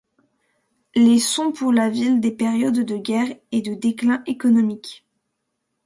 Les sont, pour la ville, des périodes de guerres et de déclin économique.